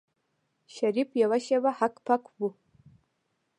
شريف يوه شېبه هک پک و.